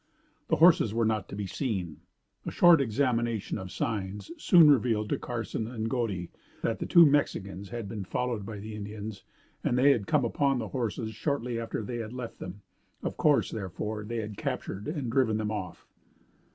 The horses were not to be seen. A short examination of signs soon revealed to Carson and Godey that the two Mexicans had been followed by the Indians and that they had come upon the horses shortly after they had left them. Of course therefore they had captured and driven them off.